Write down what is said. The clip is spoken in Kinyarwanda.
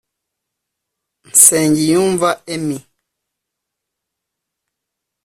Nsengiyumva Emmy)